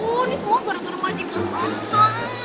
ini semua baru baru majikan tante